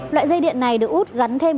loại dây điện này được út gắn thêm